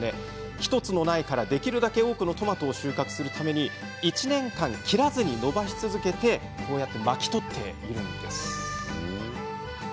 １つの苗から、できるだけ多くのトマトを収穫するために１年間、切らずにこうやって茎を巻き取っているんです。